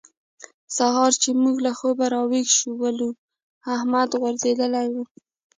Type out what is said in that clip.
سهار چې موږ له خوبه راويښ شولو؛ احمد غورځېدلی وو.